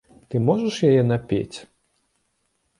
Ты можаш яе напець?